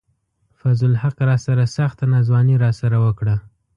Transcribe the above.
فضل الحق راسره سخته ناځواني راسره وڪړه